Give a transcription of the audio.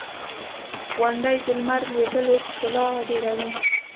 • غونډۍ د لمر لوېدو ښکلا ډېروي.